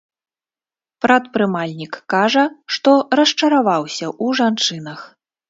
Прадпрымальнік кажа, што расчараваўся ў жанчынах.